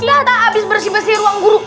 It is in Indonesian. lata abis bersih bersih ruang guru